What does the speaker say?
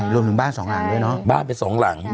รวมถึงบ้านสองหลังด้วยเนอะ